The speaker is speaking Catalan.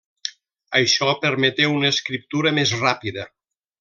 Això permeté una escriptura més ràpida.